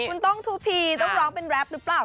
คุณต้องทูพีต้องร้องเป็นแรปหรือเปล่า